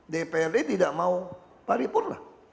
dprd tidak mau paripurna